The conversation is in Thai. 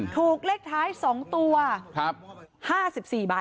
ถูกเลขท้าย๒ตัว๕๔ใบ